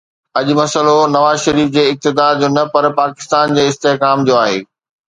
اڄ مسئلو نواز شريف جي اقتدار جو نه پر پاڪستان جي استحڪام جو آهي.